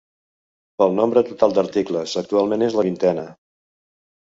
Pel nombre total d'articles, actualment és la vintena.